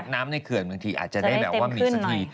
น้ำในเขื่อนบางทีอาจจะได้แบบว่ามีสักที